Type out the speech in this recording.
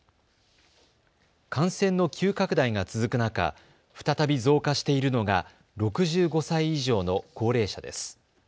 感染の急拡大が続く中、再び増加しているのが６５歳以上の高齢者です。